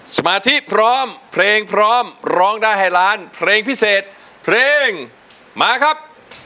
สมาธิพร้อมเพลงพร้อมร้องได้ให้ล้านเพลงพิเศษเพลงมาครับ